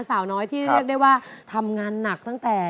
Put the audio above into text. สาวน้อยที่เรียกได้ว่าทำงานหนักตั้งแต่